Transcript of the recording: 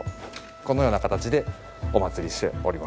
このような形でお祭りしております。